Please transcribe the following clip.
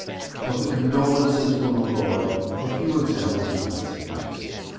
Of the condolences from abroad a few examples must suffice.